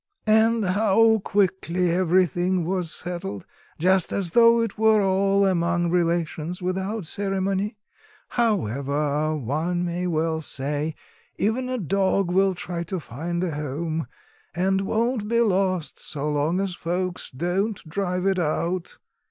And how quickly everything was settled; just as though it were all among relations, without ceremony. However, one may well say, even a dog will try to find a home; and won't be lost so long as folks don't drive it out."